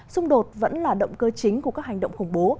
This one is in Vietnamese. xung đột vẫn là động cơ chính của các hành động khủng bố